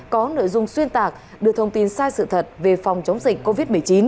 có nội dung xuyên tạc đưa thông tin sai sự thật về phòng chống dịch covid một mươi chín